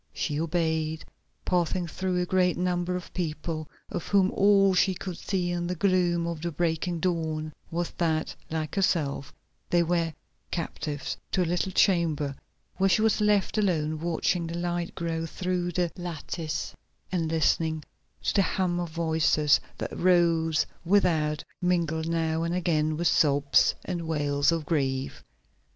She obeyed, passing through a great number of people, of whom all she could see in the gloom of the breaking dawn was that, like herself, they were captives, to a little chamber where she was left alone watching the light grow through the lattice, and listening to the hum of voices that rose without, mingled now and again with sobs and wails of grief.